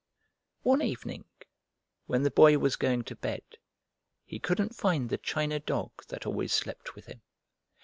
One evening, when the Boy was going to bed, he couldn't find the china dog that always slept with him.